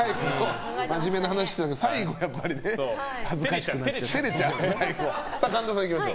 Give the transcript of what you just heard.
真面目な話していたけど最後は恥ずかしくなっちゃって。